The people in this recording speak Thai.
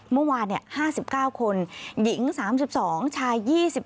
เมื่อวาน๕๙คนหญิง๓๒ชาย๒๑